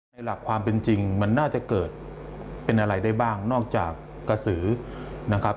หลักความเป็นจริงมันน่าจะเกิดเป็นอะไรได้บ้างนอกจากกระสือนะครับ